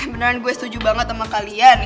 beneran gue setuju banget sama kalian